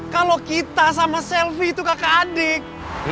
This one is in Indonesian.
kalau kita sama selfie itu kakak adik